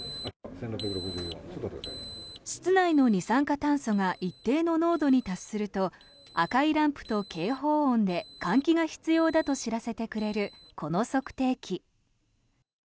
室内の二酸化炭素が一定の濃度に達すると赤いランプと警報音で換気が必要だと知らせてくれるこの測定器。